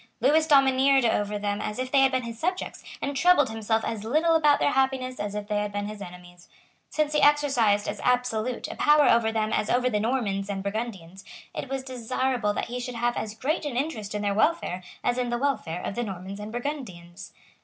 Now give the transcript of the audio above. Lewis domineered over them as if they had been his subjects, and troubled himself as little about their happiness as if they had been his enemies. Since he exercised as absolute a power over them as over the Normans and Burgundians, it was desirable that he should have as great an interest in their welfare as in the welfare of the Normans and Burgundians.